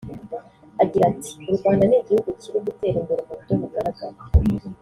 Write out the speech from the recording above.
Agira ati “u Rwanda ni igihugu kiri gutera imbere mu buryo bugaragara